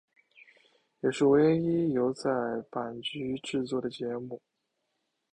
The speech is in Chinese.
也是唯一由在阪局制作的节目。